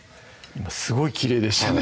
今すごいきれいでしたね